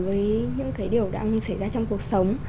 với những cái điều đang xảy ra trong cuộc sống